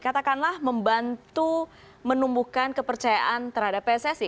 katakanlah membantu menumbuhkan kepercayaan terhadap pssi